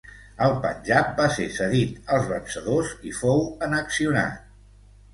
El Panjab va ser cedit als vencedors i fou annexionat.